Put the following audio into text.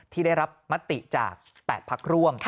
ที่ได้รับมติจาก๘พักร่วม